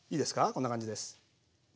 こんな感じです。